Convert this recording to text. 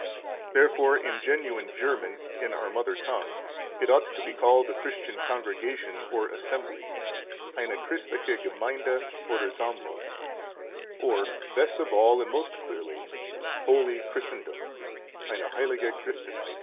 Therefore in genuine German, in our mother tongue, it ought to be called a Christian congregation or assembly (eine christliche Gemeinde oder Sammlung), or, best of all and most clearly, holy Christendom (eine heilige Christenheit).